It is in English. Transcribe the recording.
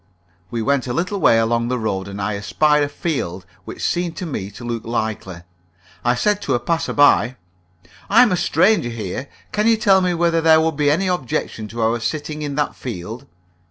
We went a little way along the road, and I espied a field which seemed to me to look likely. I said to a passer by: "I am a stranger here. Can you tell me whether there would be any objection to our sitting in that field?"